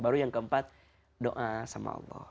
baru yang keempat doa sama allah